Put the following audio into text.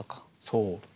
そう。